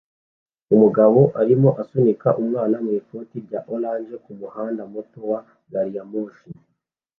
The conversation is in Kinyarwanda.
Umugabo arimo asunika umwana mwikoti rya orange kumuhanda muto wa gari ya moshi